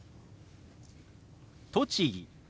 「栃木」。